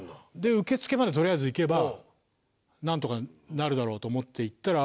受付までとりあえず行けばなんとかなるだろうと思って行ったら。